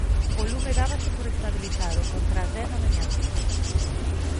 O lume dábase por estabilizado contra as dez da mañá.